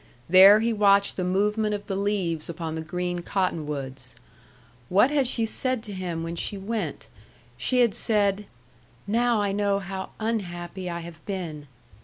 There he watched the movement of the leaves upon the green cottonwoods. What had she said to him when she went? She had said, "Now I know how unhappy I have been."